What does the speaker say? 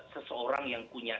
seseorang yang punya